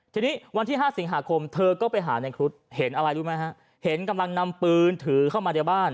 ทีนี้วันที่๕สิงหาคมเธอก็ไปหาในครุฑเห็นอะไรรู้ไหมฮะเห็นกำลังนำปืนถือเข้ามาในบ้าน